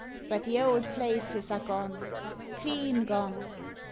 But the old places are gone clean gone!"